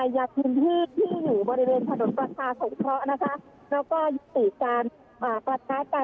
ยกถึงที่บริเวณถนนกลับกาสตรงเคราะห์